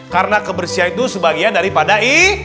karena kebersihan itu sebagian daripada i